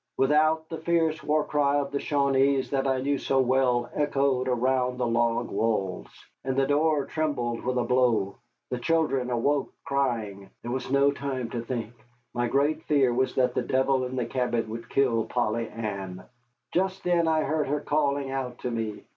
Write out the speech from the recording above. Without, the fierce war cry of the Shawanees that I knew so well echoed around the log walls, and the door trembled with a blow. The children awoke, crying. There was no time to think; my great fear was that the devil in the cabin would kill Polly Ann. Just then I heard her calling out to me.